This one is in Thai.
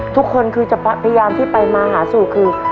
ทุกคนคือจะพยายามที่ไปมาหาสู่คือ